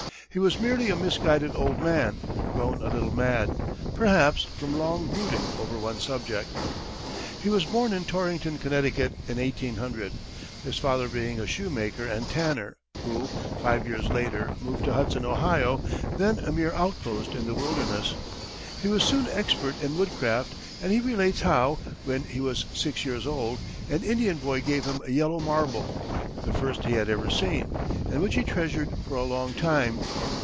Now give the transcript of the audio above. He was merely a misguided old man, grown a little mad, perhaps, from long brooding over one subject. He was born at Torrington, Connecticut, in 1800, his father being a shoemaker and tanner, who, five years later, moved to Hudson, Ohio, then a mere outpost in the wilderness. He was soon expert in woodcraft, and he relates how, when he was six years old, an Indian boy gave him a yellow marble, the first he had ever seen, and which he treasured for a long time.